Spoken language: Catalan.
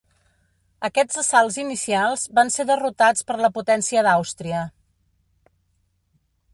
Aquests assalts inicials van ser derrotats per la potència d'Àustria.